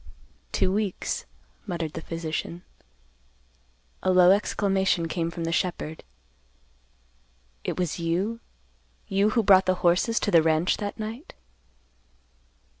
"Two weeks," muttered the physician. A low exclamation came from the shepherd. "It was you—you who brought the horses to the ranch that night?"